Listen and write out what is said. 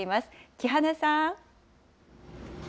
木花さん。